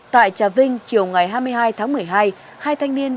tại trà vinh chiều ngày hai mươi hai tháng một mươi hai